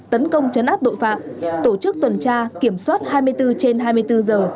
tấn công chấn áp tội phạm tổ chức tuần tra kiểm soát hai mươi bốn trên hai mươi bốn giờ